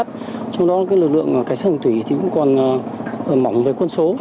trong đó lực lượng cảnh sát đường thủy thì cũng còn mỏng về quân số